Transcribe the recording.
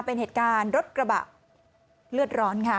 เป็นเหตุการณ์รถกระบะเลือดร้อนค่ะ